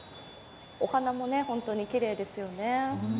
お花もホントにきれいですよね。